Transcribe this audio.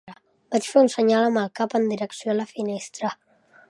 Vaig fer un senyal amb el cap en direcció a la finestra.